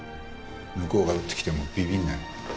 向こうが打ってきてもビビんなよ。